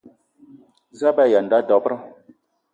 Za a be aya a nda dob-ro?